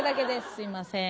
すいません。